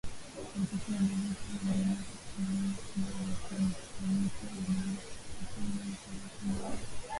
Watoto waliogopa angeweza kuwaua pia Hapo Lifumika aliamua kukimbia asubuhi ya tarehe kumi na